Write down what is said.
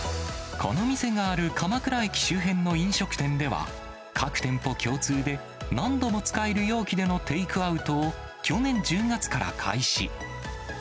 この店がある鎌倉駅周辺の飲食店では、各店舗共通で何度も使える容器でのテイクアウトを去年１０月から開始。